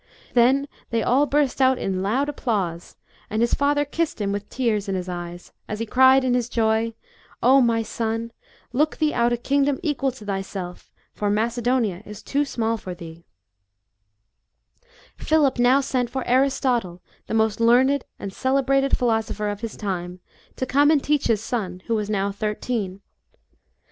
Then they all burst out in loud applause, and his father kissed him with tears in his eyes as he cried in his joy, " my son, look thee out a kingdom equal to thyself, for Macedonia is too small for thee/' Philip now sent for Aristotle, the most learned and celebrated philosopher of his time, to come and teach his son, who was now thirteen.